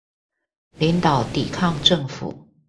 領導抵抗政府